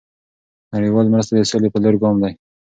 دเงินบาทไทย نړیوال مرسته د سولې په لور ګام دی.